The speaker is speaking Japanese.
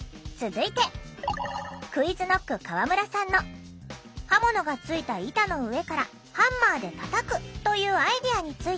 続いてＱｕｉｚＫｎｏｃｋ河村さんの「刃物が付いた板の上からハンマーで叩く」というアイデアについて。